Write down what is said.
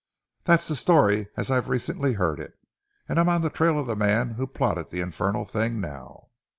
That's the story as I've recently heard it; and I'm on the trail of the man who plotted the infernal thing, now."